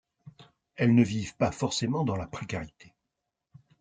Elles ne vivent pas forcément dans la précarité.